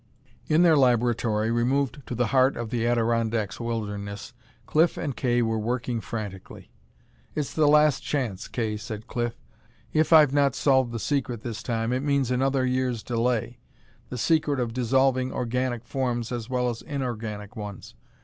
In their laboratory, removed to the heart of the Adirondacks wilderness, Cliff and Kay were working frantically. "It's the last chance, Kay," said Cliff. "If I've not solved the secret this time, it means another year's delay. The secret of dissolving organic forms as well as inorganic ones!